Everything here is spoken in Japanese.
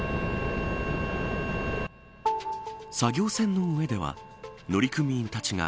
作業船の上では乗組員たちが